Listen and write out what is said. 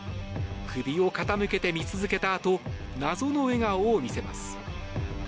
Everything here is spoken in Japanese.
首を傾けて見続けたあと謎の笑顔を見せます。